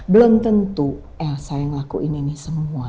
belum tentu elsa yang ngelakuin ini semua